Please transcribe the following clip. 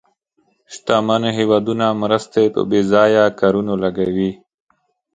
شتمن هېوادونه مرستې په بې ځایه کارونو لګوي.